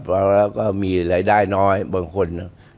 แล้วก็มีรายได้น้อยบางคน